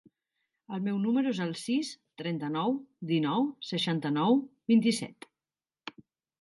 El meu número es el sis, trenta-nou, dinou, seixanta-nou, vint-i-set.